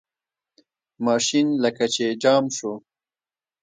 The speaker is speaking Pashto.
ماشین لکه چې جام شو.